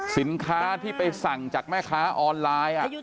สินค้าที่ไปสั่งจากแม่ค้าออนไลน์